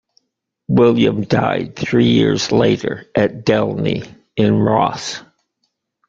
William died three years later, at Delny in Ross.